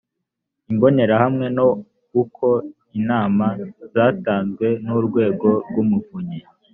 imbonerahamwe no uko inama zatanzwe n urwego rw umuvunyi